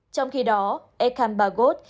trong khi đó enkambagot